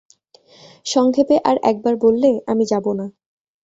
সংক্ষেপে আর-একবার বললে, আমি যাব না।